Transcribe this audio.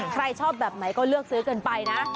ใครชอบแบบไหนก็เลือกซื้อเกินไปนะ